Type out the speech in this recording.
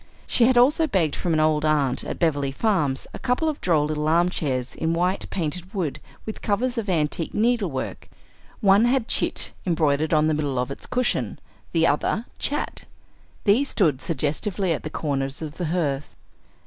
She had also begged from an old aunt at Beverly Farms a couple of droll little armchairs in white painted wood, with covers of antique needle work. One had "Chit" embroidered on the middle of its cushion; the other, "Chat." These stood suggestively at the corners of the hearth.